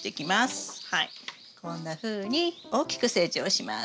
こんなふうに大きく成長します。